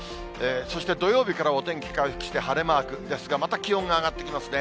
そして土曜日からお天気回復して晴れマークですが、また、気温が上がってきますね。